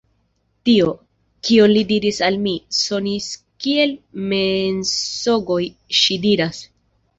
Tio, kion li diris al mi, sonis kiel mensogoj, ŝi diras.